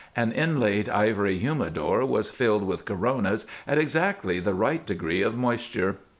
An inlaid ivory humidor was filled with coronas at exactly the right degree of moisture.